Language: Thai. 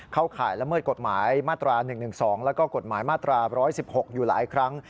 ข่ายละเมิดกฎหมายมาตรา๑๑๒แล้วก็กฎหมายมาตรา๑๑๖อยู่หลายครั้ง